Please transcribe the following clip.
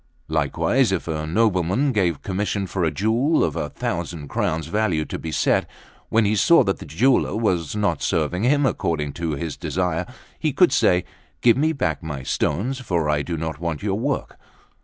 Likewise, if a nobleman gave commission for a jewel of a thousand crowns' value to be set, when he saw that the jeweller was not serving him according to his desire, he could say:'Give me back my stone, for I do not want your work.